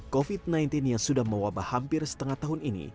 covid sembilan belas yang sudah mewabah hampir setengah tahun ini